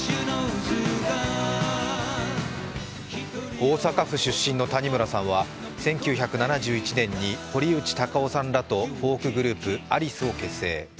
大阪府出身の谷村さんは１９７１年に堀内孝雄さんらとフォークグループ、アリスを結成。